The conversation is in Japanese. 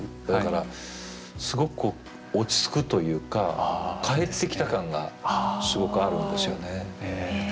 だからすごくこう落ち着くというか帰ってきた感がすごくあるんですよね。